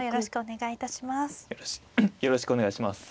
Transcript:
よろしくお願いします。